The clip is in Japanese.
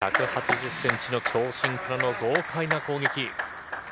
１８０ｃｍの長身からの豪快な攻撃。